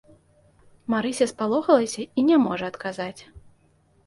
Марыся спалохалася і не можа адказаць.